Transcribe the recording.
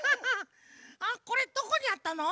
あっこれどこにあったの？